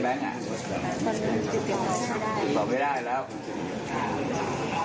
เมื่อวานแบงค์อยู่ไหนเมื่อวาน